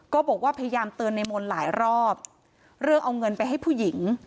ก็บอกว่าพยายามเตือนในมนต์หลายรอบเรื่องเอาเงินไปให้ผู้หญิง